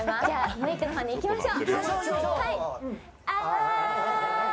メークの方に行きましょう。